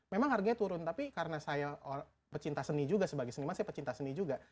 memang harganya turun tapi karena saya pecinta seni juga sebagai seniman saya pecinta seni juga